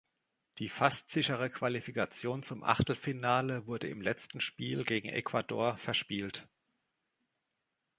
Die fast sichere Qualifikation zum Achtelfinale wurde im letzten Spiel gegen Ecuador verspielt.